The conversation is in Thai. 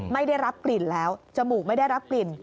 ไม่ได้รับกลิ่นแล้วจมูกไม่ได้รับกลิ่น